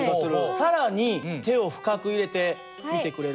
更に手を深く入れてみてくれる？